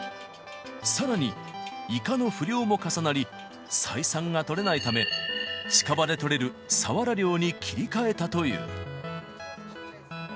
さらにイカの不漁も重なり、採算が取れないため、近場で取れるサワラ漁に切り替えたという。